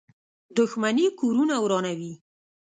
• دښمني کورونه ورانوي.